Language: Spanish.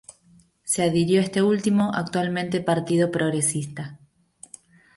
Se adhirió a este último, actualmente Partido Progresista.